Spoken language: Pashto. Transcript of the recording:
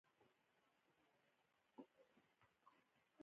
دوه ځوانان په کې ناست وو.